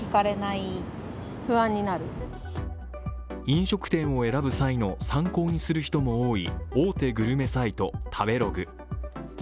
飲食店を選ぶ際の参考にする人も多い大手グルメサイト、食べログ。